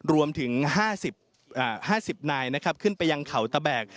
รวมถึง๕๐นายนะครับขึ้นไปยังเขาตะแบก